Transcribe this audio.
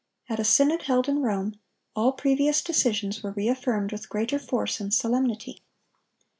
At a synod held in Rome, all previous decisions were reaffirmed with greater force and solemnity.